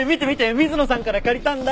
水野さんから借りたんだ。